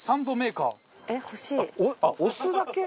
あっ押すだけ？